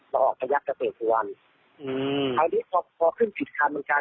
แล้วออกไปยักษ์กับเตรียมสุวรรณอือคราวนี้พอพอขึ้นผิดคันมันกลาย